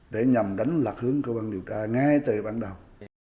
để nhằm đánh lạc hướng của ban điều tra ngay từ ban đầu